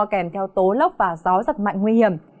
kèm theo tố lốc và gió giật mạnh nguy hiểm